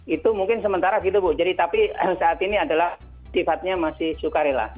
itu mungkin sementara gitu bu jadi tapi saat ini adalah sifatnya masih suka rela